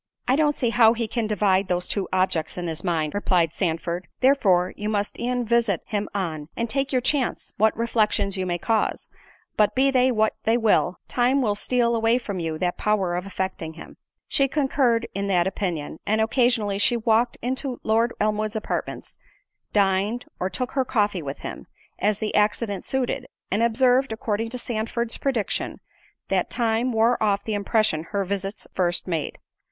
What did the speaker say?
"I don't see how he can divide those two objects in his mind," replied Sandford, "therefore you must e'en visit him on, and take your chance, what reflections you may cause—but, be they what they will, time will steal away from you that power of affecting him." She concurred in the opinion, and occasionally she walked into Lord Elmwood's apartments, dined, or took her coffee with him, as the accident suited; and observed, according to Sandford's prediction, that time wore off the impression her visits first made.